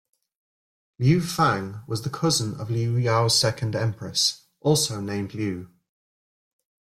Liu Fang was the cousin of Liu Yao's second empress, also named Liu.